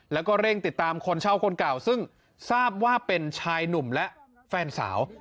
แล้วก็เร่งติดตามคนเช่าคนเก่าซึ่งทราบว่าเป็นชายหนุ่มและแฟนสาว